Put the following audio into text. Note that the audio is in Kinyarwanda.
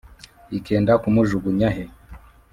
ikenda kumujugunya he,